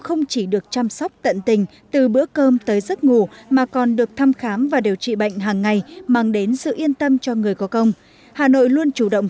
hà nội luôn chủ động thăm khám và điều trị bệnh hàng ngày mang đến sự yên tâm cho người có công